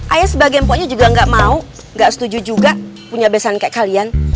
ayah sebagai mpoknya juga gak mau gak setuju juga punya besan kayak kalian